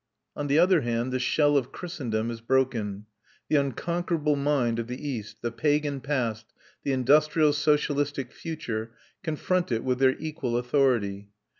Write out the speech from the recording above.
On the other hand the shell of Christendom is broken. The unconquerable mind of the East, the pagan past, the industrial socialistic future confront it with their equal authority.